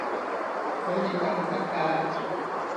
佢哋得唔得㗎？